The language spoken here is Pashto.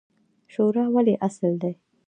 شورا ولې اصل دی؟